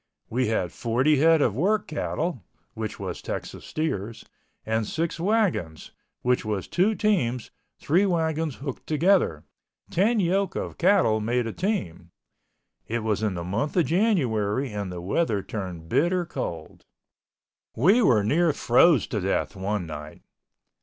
We had forty head of work cattle (which was Texas steers) and six wagons (which was two teams, three wagons hooked together—ten yoke of cattle made a team). It was in the month of January and the weather turned bitter cold. We were near froze to death one night.